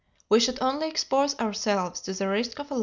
We should only expose ourselves to the risk of a like fate.